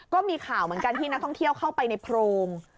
ก็มีข่าวเหมือนกันที่นักท่องเที่ยวเข้าไปในโพรง